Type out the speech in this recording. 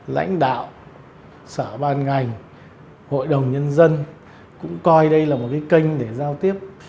lãnh đạo sở ban ngành hội đồng nhân dân cũng coi đây là một cái kênh để giao tiếp